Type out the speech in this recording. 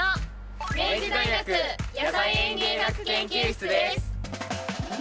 明治大学野菜園芸学研究室です。